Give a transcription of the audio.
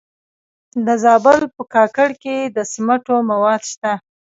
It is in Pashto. د زابل په کاکړ کې د سمنټو مواد شته.